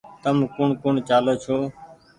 تم ڪوٚڻ ڪوٚڻ چآلو ڇو